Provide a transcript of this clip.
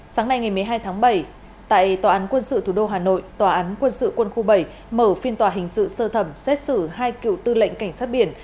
sáng nay ngày một mươi hai tháng bảy tại tòa án quân sự thủ đô hà nội tòa án quân sự quân khu bảy mở phiên tòa hình sự sơ thẩm xét xử hai cựu tư lệnh cảnh sát biển